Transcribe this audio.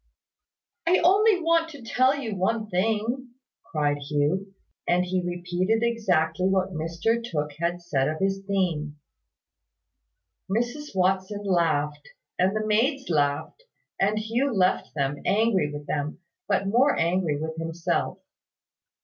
"I only want to tell you one thing," cried Hugh; and he repeated exactly what Mr Tooke had said of his theme. Mrs Watson laughed, and the maids laughed, and Hugh left them, angry with them, but more angry with himself.